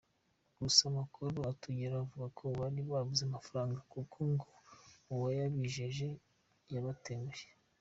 Gusa amakuru atugeraho avuga ko bari babuze amafaranga kuko ngo uwayabijeje yabatengushye.